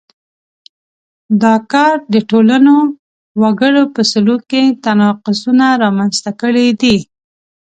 دا کار د ټولنو وګړو په سلوک کې تناقضونه رامنځته کړي دي.